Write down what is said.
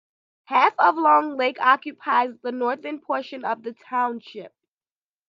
Half of Long Lake occupies the northern portion of the township.